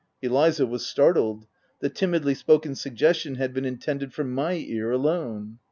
Eliza was startled : the timidly spoken sug gestion had been intended for my ear alone.